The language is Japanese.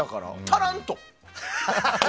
足らんと。